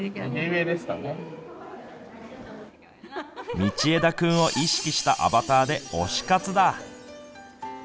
道枝くんを意識したアバターで推し活だ。